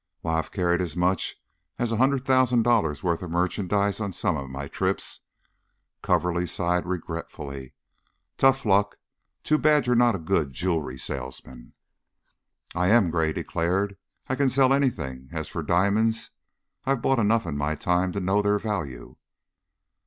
Why, I've carried as much as a hundred thousand dollars' worth of merchandise on some of my trips." Coverly sighed regretfully. "Tough luck! Too bad you're not a good jewelry salesman?" "I am," Gray declared. "I can sell anything. As for diamonds I've bought enough in my time to know their value."